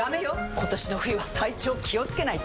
今年の冬は体調気をつけないと！